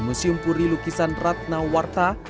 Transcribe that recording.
museum puri lukisan ratna warta